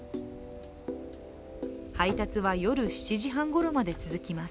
配達は夜７時半ごろまで続きます。